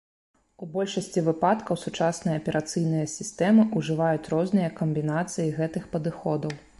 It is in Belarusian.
У большасці выпадкаў сучасныя аперацыйныя сістэмы ужываюць розныя камбінацыі гэтых падыходаў.